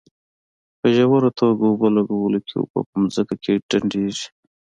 په ژوره توګه اوبه لګولو کې اوبه په ځمکه کې ډنډېږي.